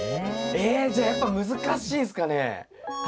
えじゃあやっぱ難しいんすかね？